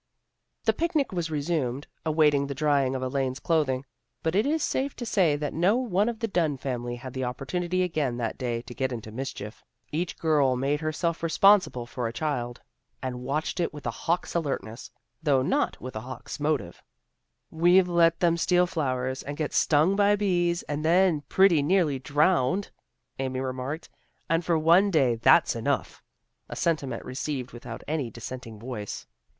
The picnic was resumed, awaiting the drying of Elaine's clothing, but it is safe to say that no one of the Dunn family had the oppor tunity again that day to get into mischief. Each girl made herself responsible for a child, 334 THE GIRLS OF FRIENDLY TERRACE and watched it with a hawk's alertness, though not with a hawk's motive. " We've let them steal flowers, and get stung by bees, and then pretty nearly drowned," Amy remarked. " And for one day that's enough," a sentiment received without any dissenting voice.